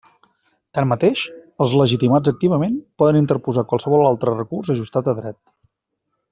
Tanmateix, els legitimats activament poden interposar qualsevol altre recurs ajustat a dret.